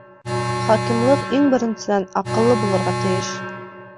Хакимлыҡ иң беренсенән аҡыллы булырға тейеш.